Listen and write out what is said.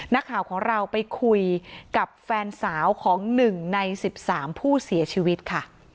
นักข่าวของเราไปคุยกับแฟนสาวของ๑ใน๑๓ผู้เสียชีวิตค่ะ